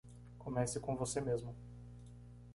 Comece com você mesmo